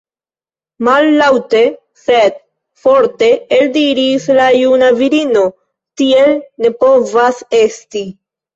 Mallaŭte sed forte eldiris la juna virino: tiel ne povas esti!